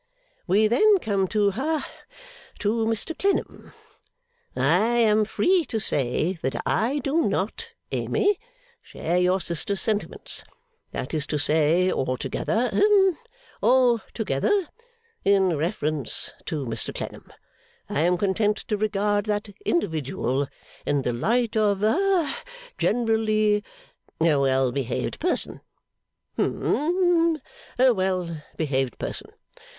We then come to ha to Mr Clennam. I am free to say that I do not, Amy, share your sister's sentiments that is to say altogether hum altogether in reference to Mr Clennam. I am content to regard that individual in the light of ha generally a well behaved person. Hum. A well behaved person.